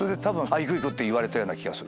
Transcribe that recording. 「行く行く」って言われたような気がする。